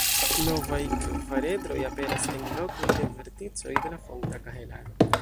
Novaj kvaredroj aperas en lokoj de verticoj de la fonta kahelaro.